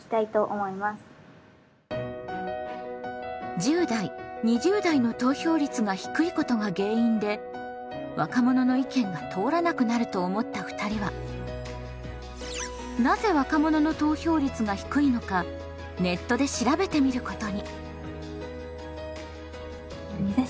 １０代２０代の投票率が低いことが原因で若者の意見が通らなくなると思った２人はなぜ若者の投票率が低いのかネットで調べてみることに。